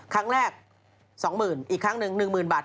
ครั้งแรก๒๐๐๐อีกครั้งหนึ่ง๑๐๐๐บาท